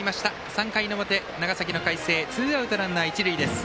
３回の表、長崎の海星ツーアウト、ランナー、一塁です。